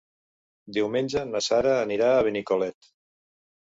Diumenge na Sara anirà a Benicolet.